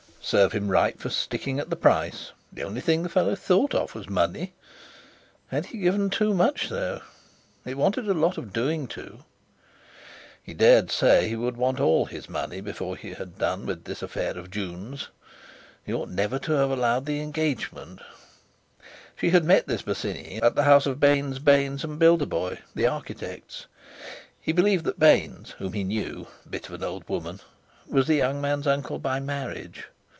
Serve him right for sticking at the price; the only thing the fellow thought of was money. Had he given too much, though? It wanted a lot of doing to—He dared say he would want all his money before he had done with this affair of Jun's. He ought never to have allowed the engagement. She had met this Bosinney at the house of Baynes, Baynes and Bildeboy, the architects. He believed that Baynes, whom he knew—a bit of an old woman—was the young man's uncle by marriage.